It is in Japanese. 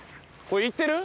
これ行ってる？